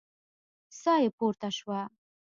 ساه يې پورته شوه.